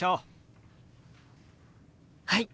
はい！